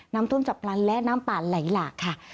น้ำท่วมจับปลันและน้ำปลาไหลหลากค่ะ